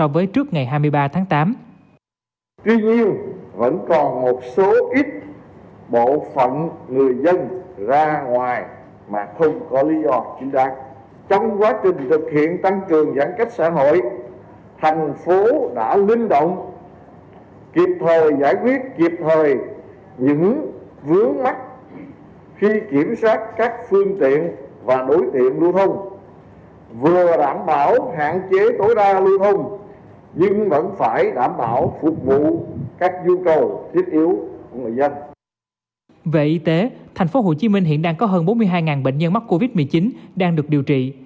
về y tế thành phố hồ chí minh hiện đang có hơn bốn mươi hai bệnh nhân mắc covid một mươi chín đang được điều trị